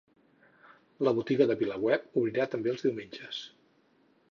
La Botiga de VilaWeb obrirà també els diumenges